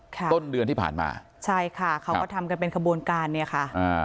ต้นเดือนที่ผ่านมาใช่ค่ะเขาก็ทำกันเป็นขบวนการเนี่ยค่ะอ่า